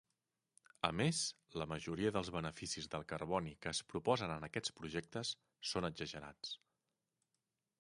A més, la majoria dels beneficis del carboni que es proposen en aquests projectes són exagerats.